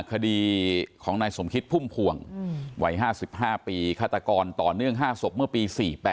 คดีของนายสมคิดพุ่มพวงวัย๕๕ปีฆาตกรต่อเนื่อง๕ศพเมื่อปี๔๘